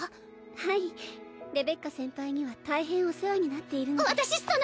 はいレベッカ先輩には大変お世話になっているので私その！